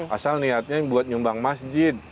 asal niatnya buat nyumbang masjid